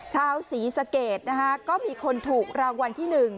ชาวศรีสะเกดนะคะก็มีคนถูกรางวัลที่๑